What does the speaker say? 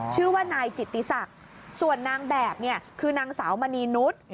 ชื่อว่านายจิตติศักดิ์ส่วนนางแบบเนี่ยคือนางสาวมณีนุษย์